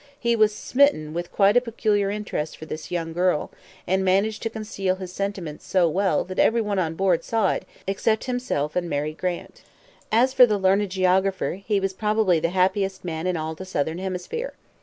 He was smitten with quite a peculiar interest for this young girl, and managed to conceal his sentiments so well that everyone on board saw it except himself and Mary Grant. As for the learned geographer, he was probably the happiest man in all the southern hemisphere.